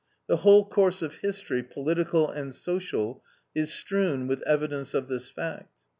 The whole course of history, political and social, is strewn with evidence of this fact.